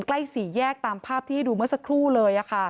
สี่แยกตามภาพที่ให้ดูเมื่อสักครู่เลย